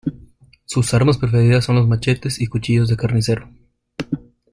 Sus armas preferidas son los machetes y cuchillos de carnicero.